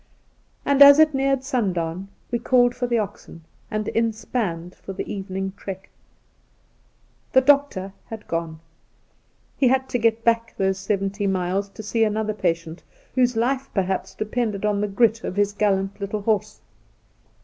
And as it neared sundown, we caUed for the oxen, and inspanned for the evening trek. The doctor had gone. He had to get back those seventy miles to see another patient, whose life perhaps depended upon the grit of his gallant little horse.